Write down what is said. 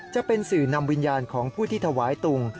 จะเป็นสื่อนำวิญญาณของผู้ที่ถวายตุง